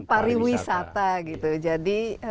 pariwisata gitu jadi